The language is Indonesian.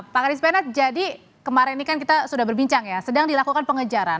pak karis penat jadi kemarin ini kan kita sudah berbincang ya sedang dilakukan pengejaran